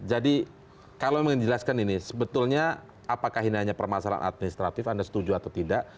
jadi kalau ingin dijelaskan ini sebetulnya apakah ini hanya permasalahan administratif anda setuju atau tidak